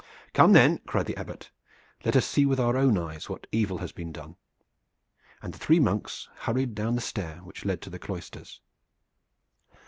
"Come then," cried the Abbot, "let us see with our own eyes what evil has been done." And the three monks hurried down the stair which led to the cloisters.